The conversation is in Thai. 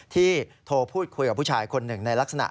ที่โทรพูดคุยกับผู้ชายคนหนึ่งในลักษณะ